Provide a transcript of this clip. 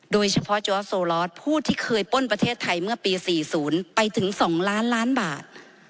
โดยเฉพาะจอร์สโซลอสผู้ที่เคยป้นประเทศไทยเมื่อปี๔๐ไปถึง๒ล้านล้านบาท